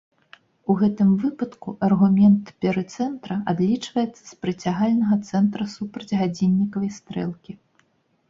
У гэтым выпадку аргумент перыцэнтра адлічваецца з прыцягальнага цэнтра супраць гадзіннікавай стрэлкі.